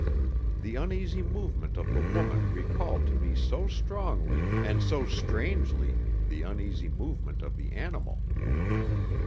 The uneasy movement of the woman recalled to me so strongly and so strangely the uneasy movement of the animal.